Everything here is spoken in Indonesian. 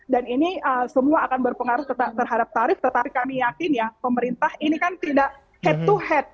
dan ini semua akan berpengaruh terhadap tarif tetapi kami yakin ya pemerintah ini kan tidak head to head